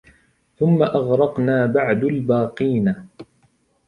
ثُمَّ أَغْرَقْنَا بَعْدُ الْبَاقِينَ